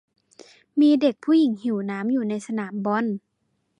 มีเด็กผู้หญิงหิวน้ำอยู่ในสนามบอล